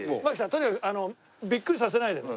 とにかくあのビックリさせないでね。